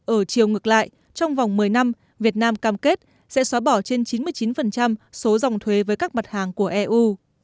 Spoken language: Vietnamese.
ở chiều ngược lại trong vòng một mươi năm việt nam cam kết sẽ xóa bỏ trên chín mươi chín số dòng thuế với các mặt hàng của eu